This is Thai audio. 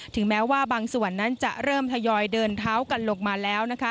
ถึงแม้ว่าบางส่วนนั้นจะเริ่มทยอยเดินเท้ากันลงมาแล้วนะคะ